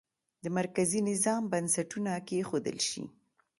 د مرکزي نظام بنسټونه کېښودل شي.